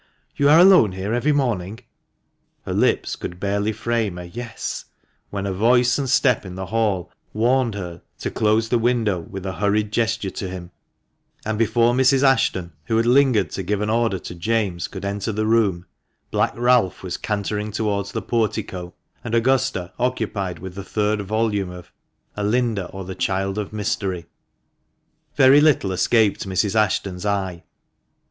" You are alone here every morning ?" Her lips could barely frame a "Yes," when a voice and step in the hall warned her to close the window with a hurried gesture to him ; and before Mrs. Ashton, who had lingered to give an order to James, could enter the room, Black Ralph was cantering towards the Portico, and Augusta occupied with the third volume of "Alinda, or the Child of Mystery." Very little escaped Mrs. Ashton's eye.